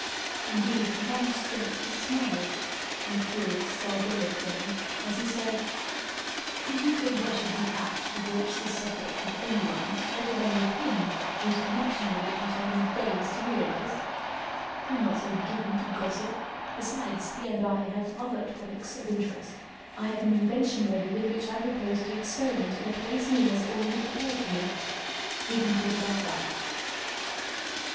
Indeed, he found strength to smile, in a curious, sardonic way, as he said: "Do you think I should be apt to broach this subject with any one, let alone with him, whose connection with it I shall need days to realise? I'm not so given to gossip. Besides, he and I have other topics of interest. I have an invention ready with which I propose to experiment in a place he has already prepared for me. We can talk about that."